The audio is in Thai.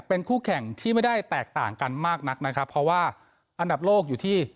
เป็นคู่แข่งที่ไม่ได้แตกต่างกันมากนักนะครับเพราะว่าอันดับโลกอยู่ที่